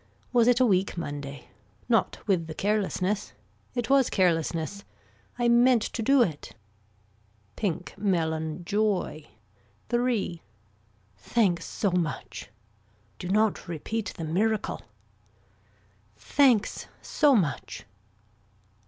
Was it a week Monday. Not with the carelessness. It was carelessness. I meant to do it. Pink Melon Joy. III. Thanks so much. Do not repeat the miracle. Thanks so much.